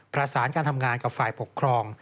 ประสานการทำงานกับฝ่ายปกครอง